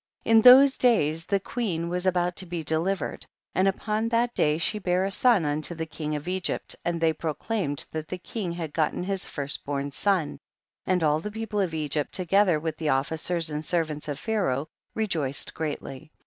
15. In those days the queen was about to be delivered, and upon that day she bare a son unto the king of Egypt, and they proclaimed that the king had gotten his first born son and all the people o/" Egypt together with the officers and servants of Pliaraoh rejoiced greatly.